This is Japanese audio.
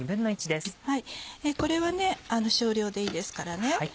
これは少量でいいですからね。